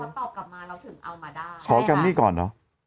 ตอบกลับมาเราถึงเอามาได้ขอแกมมี่ก่อนเนอะ